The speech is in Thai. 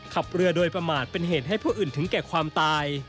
ขับเรือโดยประมาทเป็นเหตุให้ผู้อื่นถึงแก่ความตาย